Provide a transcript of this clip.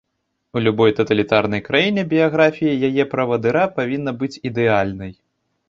У любой таталітарнай краіне біяграфія яе правадыра павінна быць ідэальнай.